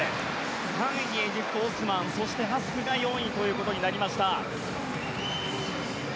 ３位にはエジプトのオスマンそしてハスクが４位でした。